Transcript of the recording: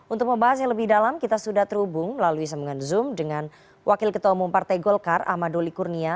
untuk membahas yang lebih dalam kita sudah terhubung melalui sambungan zoom dengan wakil ketua umum partai golkar ahmad doli kurnia